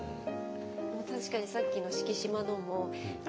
確かにさっきの「しき嶋の」も。